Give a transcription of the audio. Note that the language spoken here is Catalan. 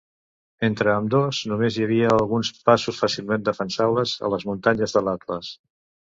Entre ambdós, només hi havia alguns passos fàcilment defensables a les muntanyes de l'Atles.